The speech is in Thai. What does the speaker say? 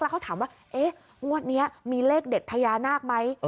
เขาถามว่าเอ๊ะงวดนี้มีเลขเด็ดพญานาคไหม